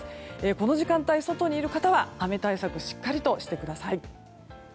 この時間帯、外にいる片は雨対策をしっかりしてください。